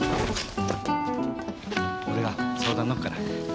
俺が相談乗るから。